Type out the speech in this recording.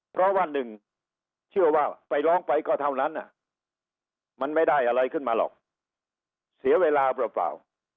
เพราะว่าหนึ่งเชื่อว่าไปร้องไปก็เท่านั้นมันไม่ได้อะไรขึ้นมาหรอกเสียเวลาเปล่า